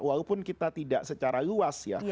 walaupun kita tidak secara luas ya